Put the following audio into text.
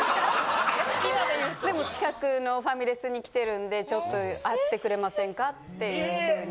・今でいう・「近くのファミレスに来てるんでちょっと会ってくれませんか」っていうふうに。